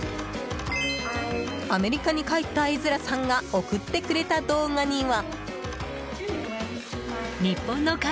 アメリカに帰ったエズラさんが送ってくれた動画には。